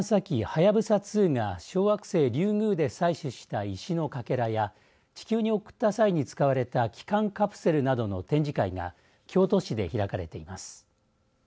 はやぶさ２が小惑星リュウグウで採取した石のかけらや地球に送った際に使われた帰還カプセルなどで展示会が京都市で開かれています。